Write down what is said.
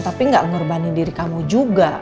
tapi enggak ngerbanin diri kamu juga